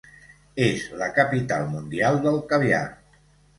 És la capital mundial del caviar.